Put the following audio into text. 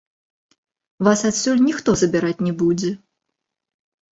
Вас адсюль ніхто забіраць не будзе.